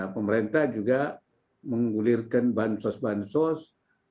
pemerintah juga menggulirkan bahan sos bahan sos